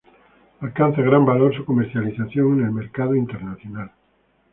Alcanza gran valor su comercialización en el mercado internacional.